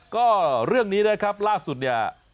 ก็เรื่องนี้นะครับล่าสุดเนี่ย